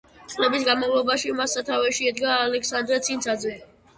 წლების განმავლობაში მას სათავეში ედგა ალექსანდრე ცინცაძე.